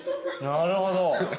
なるほど。